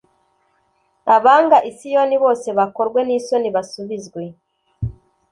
Abanga i siyoni bose bakorwe n isoni basubizwe